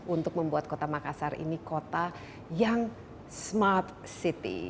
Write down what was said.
untuk membuat kota makassar ini kota yang smart city